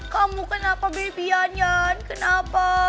kamu kenapa bebi anyan kenapa